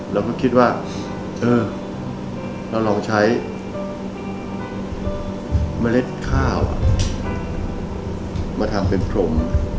เราก็คิดว่าเออเราลองใช้เมล็ดข้าวมาทำเป็นพรม